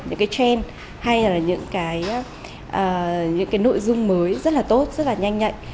những trend hay là những nội dung mới rất là tốt rất là nhanh nhạy